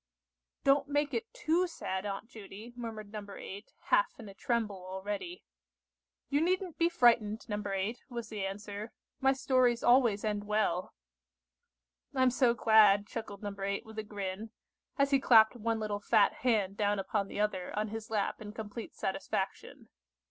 "Don't make it too sad, Aunt Judy," murmured No. 8, half in a tremble already. "You needn't be frightened, No. 8," was the answer; "my stories always end well." "I'm so glad," chuckled No. 8 with a grin, as he clapped one little fat hand down upon the other on his lap in complete satisfaction.